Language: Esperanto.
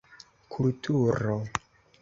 kulturo